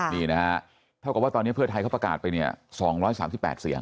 นี่นะฮะเท่ากับว่าตอนนี้เพื่อไทยเขาประกาศไปเนี่ย๒๓๘เสียง